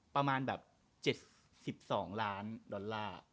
ประมาณแบบ๗๒ล้านดอลลาร์